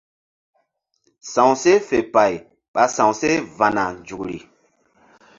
Sa̧wseh fe pay ɓa sa̧wseh va̧na nzukri.